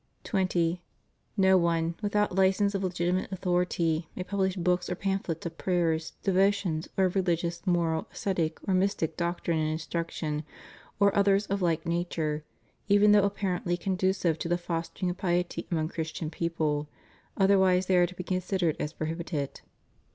20. No one, without license of legitimate authority, may publish books or pamphlets of prayers, devotions, or of religious, moral, ascetic, or mystic doctrine and instruc tion, or others of like nature, even though apparently con ducive to the fostering of piety among Christian people; otherwise they are to be considered as prohibited.